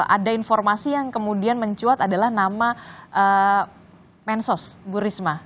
ada informasi yang kemudian mencuat adalah nama mensos bu risma